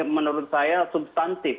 menurut saya substantif